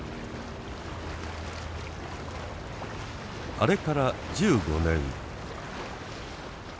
あれから１５年。